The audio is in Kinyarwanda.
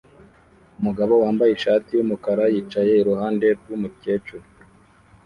Umugabo wambaye ishati yumukara yicaye iruhande rwumukecuru